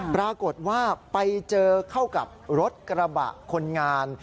ปรากฏว่าไปเจอเข้ากับรถกระบะคนงาน